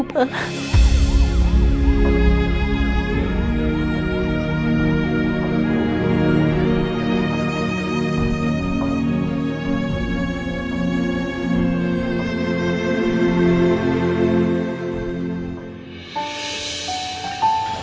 tidak ada aja ya